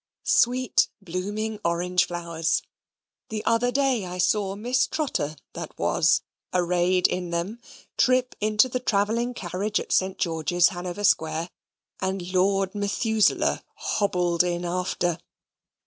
Sweet, blooming, orange flowers! The other day I saw Miss Trotter (that was), arrayed in them, trip into the travelling carriage at St. George's, Hanover Square, and Lord Methuselah hobbled in after.